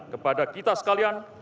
kepada kita sekalian